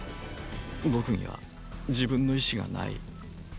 僕には自分の意志がない。